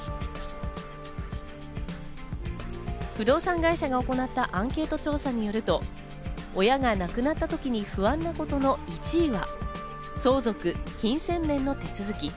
不動産会社が行ったアンケート調査によると、親が亡くなった時に不安なことの１位は、相続・金銭面の手続き。